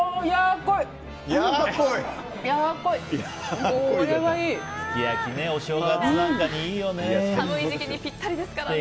この時期ぴったりですからね。